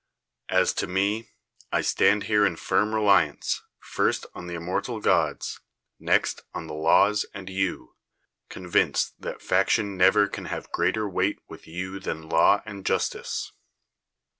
As to me, I stand here in firm reliance, first on the immortal gods, next on the laws and you, convinced that fac tion never can have greater weight with you than law and justice.